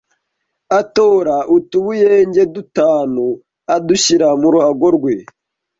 atora utubuyenge dutanu adushyira mu ruhago rwe